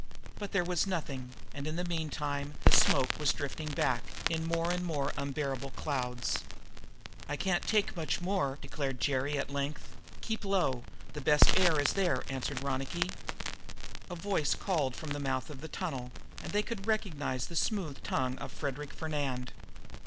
But there was nothing, and in the meantime the smoke was drifting back, in more and more unendurable clouds. "I can't stand much more," declared Jerry at length. "Keep low. The best air is there," answered Ronicky. A voice called from the mouth of the tunnel, and they could recognize the smooth tongue of Frederic Fernand.